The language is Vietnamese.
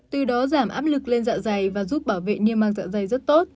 từ đó giảm áp lực lên dạ dày và giúp bảo vệ niêm măng dạ dày rất tốt